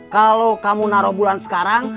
kalau kamu naruh bulan sekarang